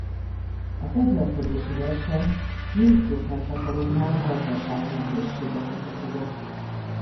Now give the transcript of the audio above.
A fegyverkezési verseny mindként nagyhatalomnál gazdasági nehézségeket okozott.